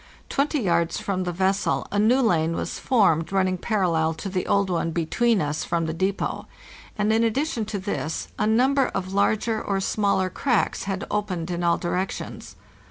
Twenty yards from the vessel a new lane was formed running parallel to the old one between us from the depot; and in addition to this a number of jarger or smaller cracks had opened in all directions.